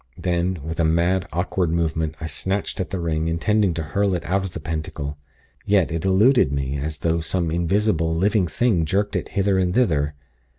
Then, with a mad, awkward movement, I snatched at the ring, intending to hurl it out of the Pentacle. Yet it eluded me, as though some invisible, living thing jerked it hither and thither.